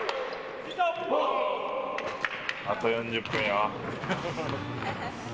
あと４０分よ。